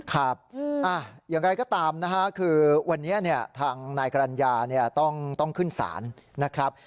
ครับอย่างไรก็ตามนะฮะคือวันนี้ทางนายกรรณญาต้องขึ้นศาลนะครับ